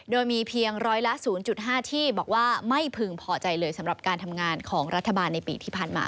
โดยมีเพียงร้อยละ๐๕ที่บอกว่าไม่พึงพอใจเลยสำหรับการทำงานของรัฐบาลในปีที่ผ่านมา